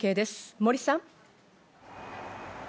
森さん。